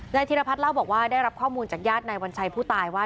ใงว์ธีรภัทรเล่าบอกว่าได้รับข่อมูลจากยาดนายวรชัยผู้ตายว่า